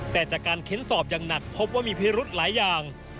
แต่จากการเค้นสอบอย่างหนักพบว่ามีพิรุธหลายอย่าง